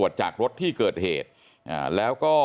จังหวัดสุราชธานี